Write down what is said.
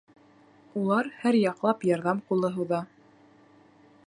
Улар һәр яҡлап ярҙам ҡулы һуҙа.